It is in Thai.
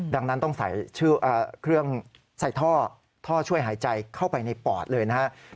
ดังนั้นต้องใส่ชื่อเครื่องใส่ท่อช่วยหายใจเข้าไปในปอดเลยนะครับ